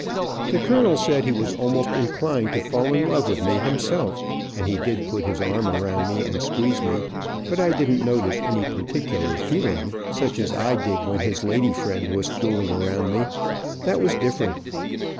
The colonel said he was almost inclined to fall in love with me himself, and he did put his arm around me and squeeze me, but I didn't notice any particular feeling, such as I did when his lady friend was fooling around me. That was different.